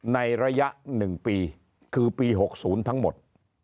ในระยะ๑ปีคือปี๖๐ทั้งหมด